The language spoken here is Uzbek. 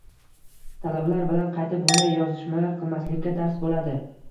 Talabalar bilan qaytib bunday yozishmalar qilmaslikka dars boʻladi.